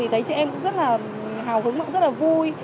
thấy chị em cũng rất là hào hứng và rất là vui